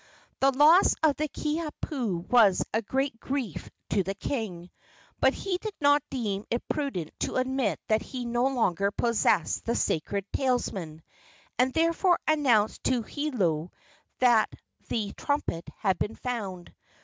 The loss of the Kiha pu was a great grief to the king. But he did not deem it prudent to admit that he no longer possessed the sacred talisman, and therefore announced to Hiolo that the trumpet had been found.